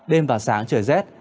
đêm và sáng trời rét